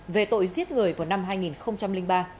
về tội giết người vào năm hai nghìn ba